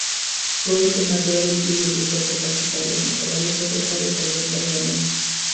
Su hábitat natural incluye el desierto, pastizales, matorrales, y otras áreas abiertas de arena.